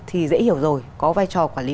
thì dễ hiểu rồi có vai trò quản lý